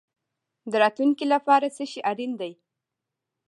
د راتلونکي لپاره څه شی اړین دی؟